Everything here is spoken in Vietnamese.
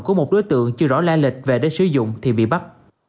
của một đối tượng chưa rõ la lịch về để sử dụng thì bị bắt